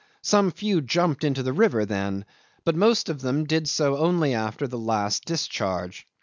Some few jumped into the river then, but most of them did so only after the last discharge.